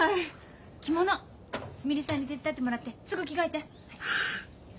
着物すみれさんに手伝ってもらってすぐ着替えて。